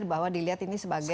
bahwa dilihat ini sebagai